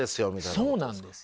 そうなんですよ。